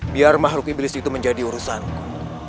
biar makhluk iblis itu menjadi urusanku